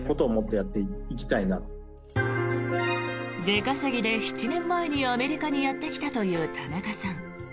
出稼ぎで７年前にアメリカにやってきたという田中さん。